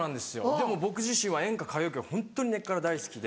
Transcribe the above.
でも僕自身は演歌歌謡曲ホント根っから大好きで。